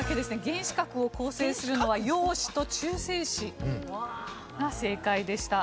原子核を構成するのは陽子と中性子が正解でした。